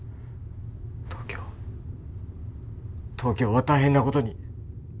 東京東京は大変な事に。